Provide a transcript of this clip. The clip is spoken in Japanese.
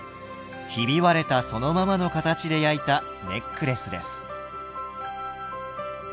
ひび割れたそのままの形で焼いたネックレスです。